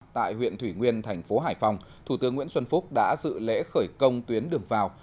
tại huyện thủy nguyên thành phố hải phòng thủ tướng nguyễn xuân phúc đã dự lễ khởi công tuyến đường vào